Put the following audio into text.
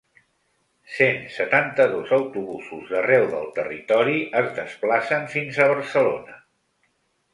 Cent setanta-dos autobusos d’arreu del territori es desplacen fins a Barcelona.